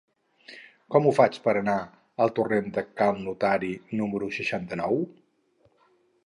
Com ho faig per anar al torrent de Cal Notari número seixanta-nou?